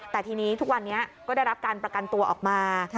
แต่ทีนี้ทุกวันนี้ก็ได้รับการประกันตัวออกมา